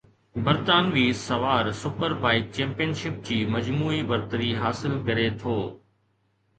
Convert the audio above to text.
برطانوي سوار super bike championship جي مجموعي برتري حاصل ڪري ٿو